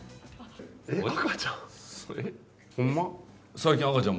最近、赤ちゃん？